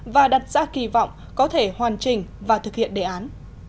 và đặt ra kỳ vọng có thể hoàn chỉnh và thực hiện đề án